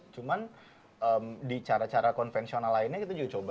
cuman di cara cara konvensional lainnya kita juga coba